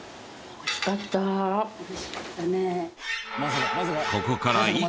美味しかったね。